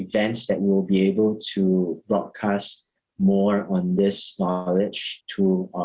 pusat atau tempat untuk kita berhubungan dengan